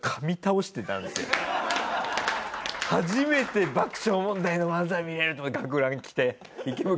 初めて爆笑問題の漫才見れるって学ラン着て池袋。